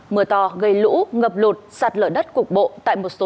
mưa to gây lũ ngập lụt sạt lở đất cục bộ